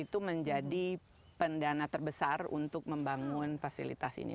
itu menjadi pendana terbesar untuk membangun fasilitas ini